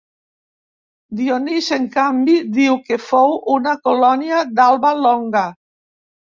Dionís en canvi diu que fou una colònia d'Alba Longa.